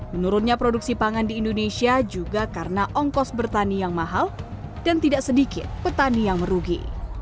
menurutnya produksi pangan di indonesia juga karena ongkos bertani yang mahal dan tidak sedikit petani yang merugi